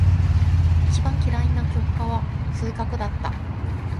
一番嫌いな教科は数学だった。